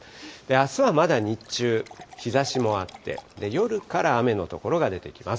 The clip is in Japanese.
あすはまだ日中、日ざしもあって、夜から雨の所が出てきます。